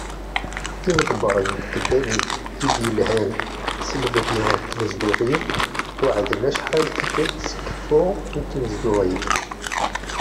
Imḍebbren n tkkebanit i d-yelhan s lebni n tnezduɣin, weɛden acḥal d tikelt s keffu n tnezduɣin.